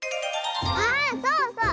あそうそう！